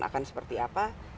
akan seperti apa